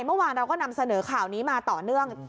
เมื่อวานเราก็นำเสนอข่าวนี้มาต่อเนื่อง